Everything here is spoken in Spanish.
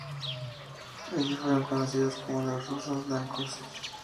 Allí fueron conocidos como los rusos blancos.